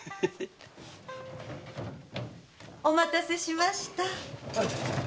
お待たせしました。